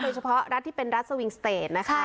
โดยเฉพาะรัฐที่เป็นรัฐสวิงสเตจนะคะใช่ค่ะ